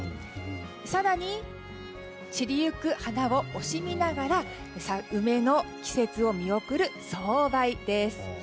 更に、散りゆく花を惜しみながら梅の季節を見送る送梅です。